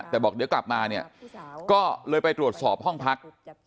แต่บอกเดี๋ยวกลับมาเนี่ยก็เลยไปตรวจสอบห้องพัก